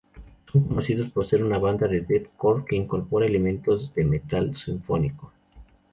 Son conocidos por ser una banda de deathcore que incorpora elementos de metal sinfónico.